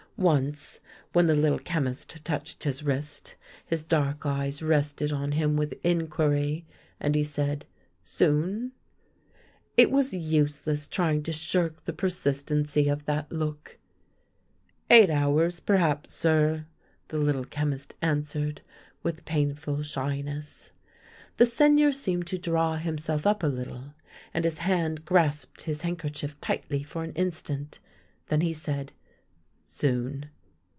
Once when the Little Chemist touched his wrist, his THE HOUSE WITH THE TALL PORCH 203 dark eyes rested on him with inquiry, and he said :" Soon> " It was useless trying to shirk the persistency of that look. " Eight hours, perhaps, sir," the Little Chemist answered, with painful shyness. The Seigneur seemed to draw himself up a little, and his hand grasped his handkerchief tightly for an instant; then he said :" Soon.